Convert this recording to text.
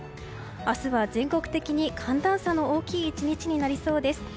明日は全国的に寒暖差の大きい１日になりそうです。